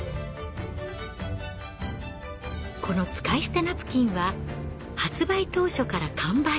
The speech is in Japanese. この使い捨てナプキンは発売当初から完売。